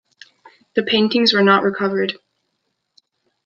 The paintings were not recovered.